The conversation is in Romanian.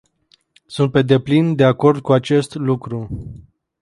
Sunt pe deplin de acord cu acest lucru.